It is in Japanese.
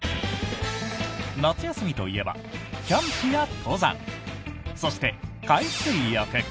夏休みといえばキャンプや登山そして海水浴。